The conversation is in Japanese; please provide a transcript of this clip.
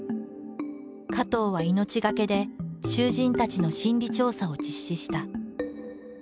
加藤は命懸けで囚人たちの心理調査を実施した。